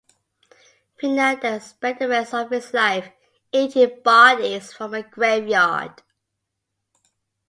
Venal then spent the rest of his life eating bodies from a graveyard.